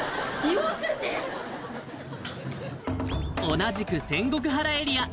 同じく仙石原エリア